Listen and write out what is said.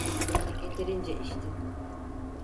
Yeterince içtin.